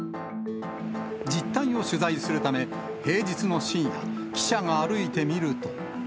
実態を取材するため、平日の深夜、記者が歩いてみると。